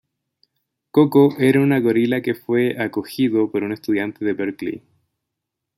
Koko era una gorila que fue acogido por un estudiante de Berkley.